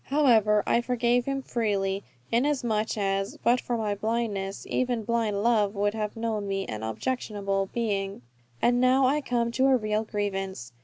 However, I forgave him freely; inasmuch as, but for my blindness, even blind love would have known me as an objectionable being. And now I come to a real grievance.